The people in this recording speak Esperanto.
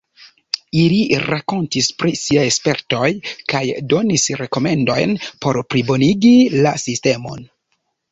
Ili rakontis pri siaj spertoj kaj donis rekomendojn por plibonigi la sistemon.